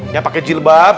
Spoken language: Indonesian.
yang pakai jilbab